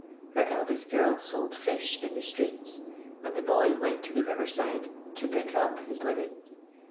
Her eldest giri sold fish in the streets, and the boy went to the river side to " pick up" his living.